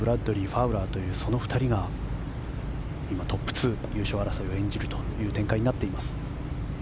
ファウラーというその２人が今、トップ２優勝争いを演じるという展開になっています。